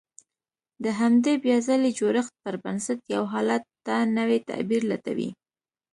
د همدې بيا ځلې جوړښت پر بنسټ يو حالت ته نوی تعبير لټوي.